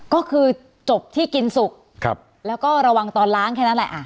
ก็คือจบที่กินสุกแล้วก็ระวังตอนล้างแค่นั้นแหละ